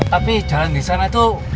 tapi jalan di sana itu